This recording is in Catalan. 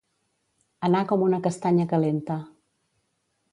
Anar com una castanya calenta.